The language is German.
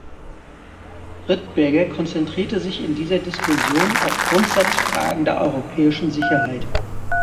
Rittberger konzentrierte sich in dieser Diskussion auf Grundsatzfragen der europäischen Sicherheit.